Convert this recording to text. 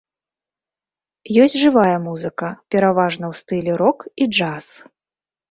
Есць жывая музыка, пераважна ў стылі рок і джаз.